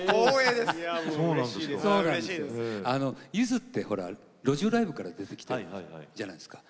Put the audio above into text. ゆずって路上ライブからきたじゃないですか。